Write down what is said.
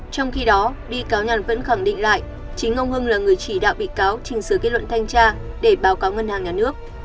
trong khi đó bị cáo nhàn vẫn khẳng định lại chính ông hưng là người chỉ đạo bị cáo trình sửa kết luận thanh tra để báo cáo ngân hàng nhà nước